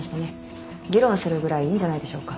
議論するぐらいいいんじゃないでしょうか。